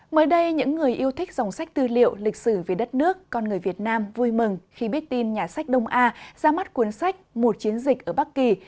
mới đây những người yêu thích dòng sách tư liệu lịch sử về đất nước con người việt nam vui mừng khi biết tin nhà sách đông a ra mắt cuốn sách một chiến dịch ở bắc kỳ